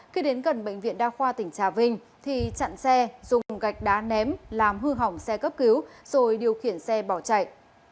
khi đến gần bệnh viện đa khoa tỉnh trà vinh thì chặn xe dùng gạch đá ném làm hư hỏng xe cấp cứu rồi điều khiển xe bỏ chạy